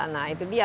nah itu dia